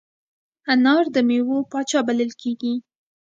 انار د میوو پاچا بلل کېږي.